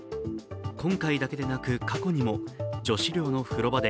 今回だけでなく過去にも女子寮の風呂場で